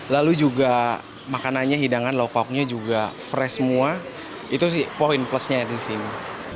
lalu juga makanannya hidangan law popnya juga fresh semua itu sih poin plusnya di sini